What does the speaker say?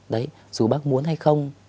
đấy dù bác muốn hay không